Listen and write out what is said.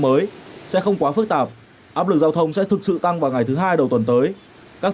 mới sẽ không quá phức tạp áp lực giao thông sẽ thực sự tăng vào ngày thứ hai đầu tuần tới các